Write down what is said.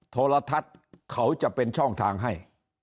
โทรทัศน์เขาจะเป็นช่องทางให้